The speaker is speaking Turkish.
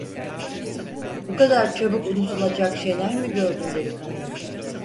Bu kadar çabuk unutulacak şeyler mi gördün delikanlı?